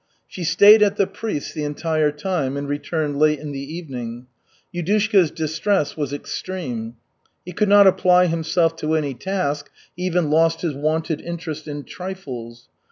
She stayed at the priest's the entire time and returned late in the evening. Yudushka's distress was extreme. He could not apply himself to any task, he even lost his wonted interest in trifles.